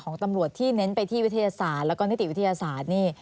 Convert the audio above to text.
ของตำรวจที่เน้นไปที่วิทยาศาสตร์แล้วก็นิติวิทยาศาสตร์นี่